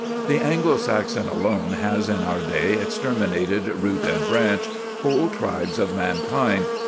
The Anglo Saxon alone has in our day exterminated, root and branch, whole tribes of mankind.